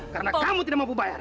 karena kamu tidak mampu bayar